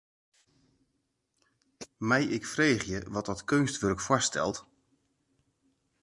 Mei ik freegje wat dat keunstwurk foarstelt?